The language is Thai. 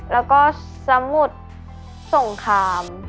แล้วก็สมุทรสงคราม